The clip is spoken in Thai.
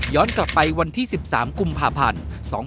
กลับไปวันที่๑๓กุมภาพันธ์๒๕๖